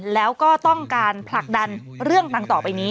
แล้วก็ต้องการผลักดันเรื่องต่างต่อไปนี้